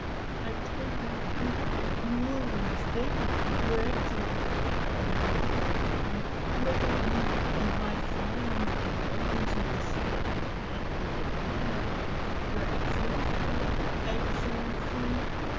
I tell you, you are cruelly mistaken, your Excellency. Only glance at me, look at me, and by signs and tokens you will see that I can't be a thief. Your Excellency! Your Excellency!"